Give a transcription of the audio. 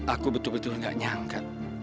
aku betul betul gak nyangka